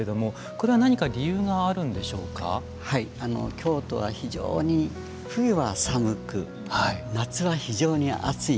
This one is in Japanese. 京都は非常に冬は寒く夏は非常に暑い。